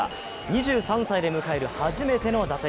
２３歳で迎える初めての打席。